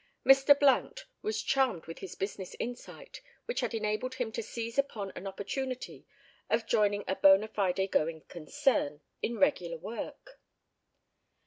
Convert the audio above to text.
Mr. Blount was charmed with his business insight, which had enabled him to seize upon an opportunity of joining a "bona fide going concern" in regular work.